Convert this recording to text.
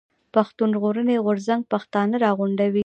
پښتون ژغورني غورځنګ پښتانه راغونډوي.